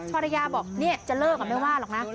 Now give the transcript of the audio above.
ภรรยาบอกจะเลิกกันไม่ว่าหรอกนะ